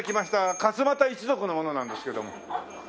勝俣一族の者なんですけども。